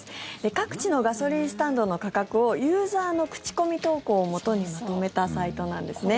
各地のガソリンスタンドの価格をユーザーの口コミ投稿をもとにまとめたサイトなんですね。